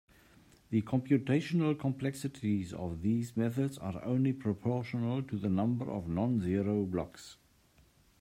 The computational complexities of these methods are only proportional to the number of non-zero blocks.